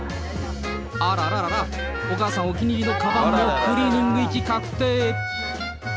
あらららら、お母さんお気に入りのかばんもクリーニング行き確定。